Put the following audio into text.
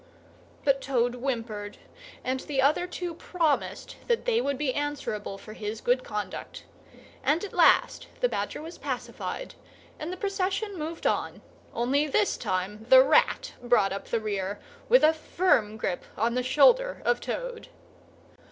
But Toad whimpered, and the other two promised that they would be answerable for his good conduct, and at last the Badger was pacified, and the procession moved on; only this time the Rat brought up the rear, with a firm grip on the shoulder of Toad.